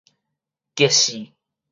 激死